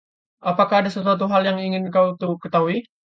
Apakah ada sesuatu hal yang ingin kau ketahui?